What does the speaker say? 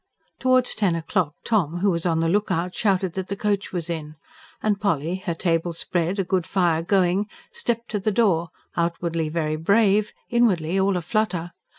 Towards ten o'clock Tom, who was on the look out, shouted that the coach was in, and Polly, her table spread, a good fire going, stepped to the door, outwardly very brave, inwardly all a flutter.